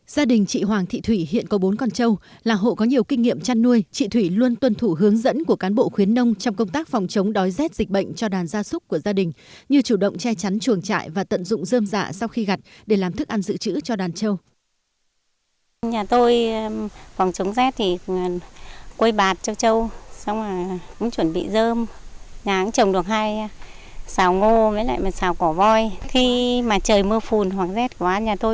gia đình chị hoàng thị thủy hiện có bốn con trâu là hộ có nhiều kinh nghiệm chăn nuôi chị thủy luôn tuân thủ hướng dẫn của cán bộ khuyến nông trong công tác phòng chống đói rét dịch bệnh cho đàn gia súc của gia đình như chủ động che chắn chuồng trại và tận dụng dơm dạ sau khi gặt để làm thức ăn dự trữ cho đàn trâu